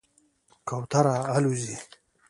کوتره الوځي.